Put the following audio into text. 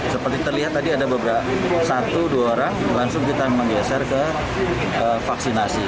seperti terlihat tadi ada beberapa satu dua orang langsung kita menggeser ke vaksinasi